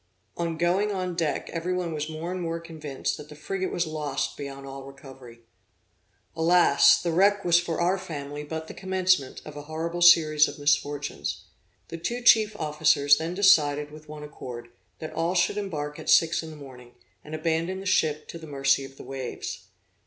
On going on deck every one was more and more convinced that the frigate was lost beyond all recovery. Alas! the wreck was for our family but the commencement of a horrible series of misfortunes. The two chief officers then decided with one accord, that all should embark at six in the morning, and abandon the ship to the mercy of the waves.